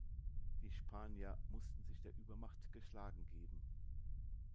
Die Spanier mussten sich der Übermacht geschlagen geben.